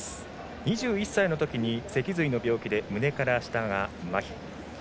２１歳のときに脊髄の病気で胸から下がまひ。